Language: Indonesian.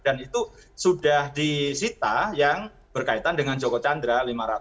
dan itu sudah disita yang berkaitan dengan joko chandra